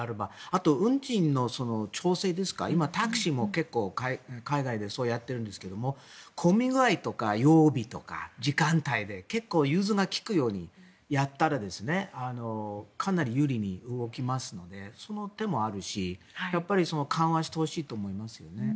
あと運賃の調整ですか今、タクシーも結構海外でそうやっているんですけど混み具合とか曜日とか時間帯で結構、融通が利くようにやったらかなり有利に動きますのでその手もあるしやっぱり緩和してほしいと思いますね。